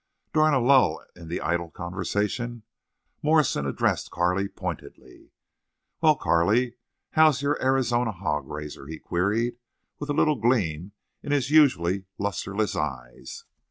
During a lull in the idle conversation Morrison addressed Carley pointedly. "Well, Carley, how's your Arizona hog raiser?" he queried, with a little gleam in his usually lusterless eyes.